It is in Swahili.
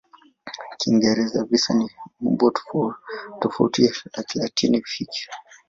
Kiingereza "visa" ni umbo tofauti la Kilatini hiki.